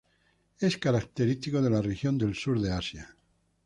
Es característico de la región del Sur de Asia.